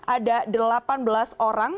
ada delapan belas orang